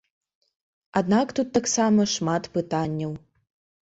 Аднак тут таксама шмат пытанняў.